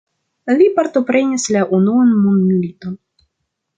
Li partoprenis la unuan mondmiliton.